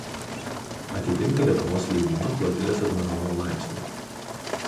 Atitinka Lietuvos laivyno flotilės admirolo laipsnį.